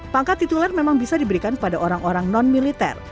pangkat tituler memang bisa diberikan pada orang orang non militer